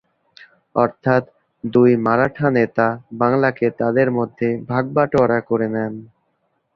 অর্থাৎ, দুই মারাঠা নেতা বাংলাকে তাদের মধ্যে ভাগ-বাটোয়ারা করে নেন।